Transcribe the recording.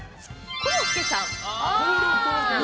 コロッケさん？